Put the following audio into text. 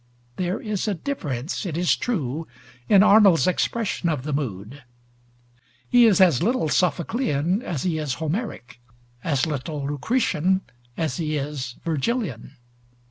There is a difference, it is true, in Arnold's expression of the mood: he is as little Sophoclean as he is Homeric, as little Lucretian as he is Vergilian.